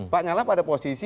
pak nyala pada posisi